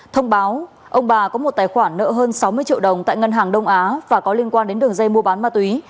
thông báo ông bà có một tài khoản nợ hơn sáu mươi triệu đồng tại ngân hàng đông á và có liên quan đến đường dây mua bán ma túy